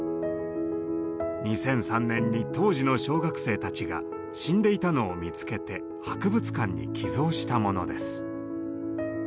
２００３年に当時の小学生たちが死んでいたのを見つけて博物館に寄贈したものです。